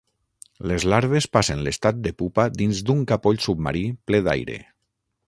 Les larves passen l'estat de pupa dins d'un capoll submarí ple d'aire.